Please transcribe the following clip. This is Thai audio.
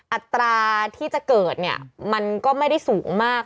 อัตราที่จะเกิดเนี่ยมันก็ไม่ได้สูงมาก